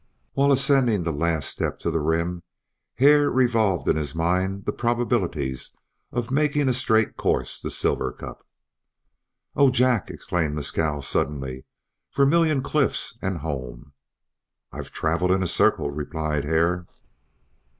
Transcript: While ascending the last step to the rim Hare revolved in his mind the probabilities of marking a straight course to Silver Cup. "Oh! Jack!" exclaimed Mescal, suddenly. "Vermillion Cliffs and home!" "I've travelled in a circle!" replied Hare.